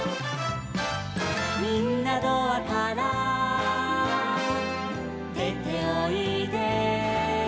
「みんなドアからでておいで」